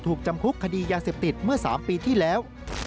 ถูกจำคุกคดียาเสพติดเมื่อ๓ปีที่แล้ว